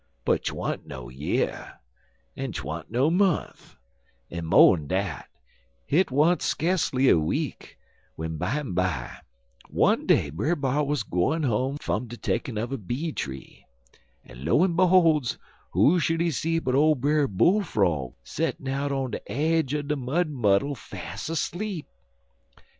But 'twan't no year, an 'twan't no mont', en mo'n dat, hit wa'n't skasely a week, w'en bimeby one day Brer B'ar wuz gwine home fum de takin' un a bee tree, en lo en behol's, who should he see but ole Brer Bull frog settin' out on de aidge er de mud muddle fas' 'sleep!